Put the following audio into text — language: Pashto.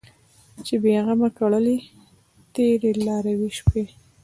چې بې غمه کړلې تېرې لاروي شپې